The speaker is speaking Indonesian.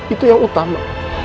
itu yang utama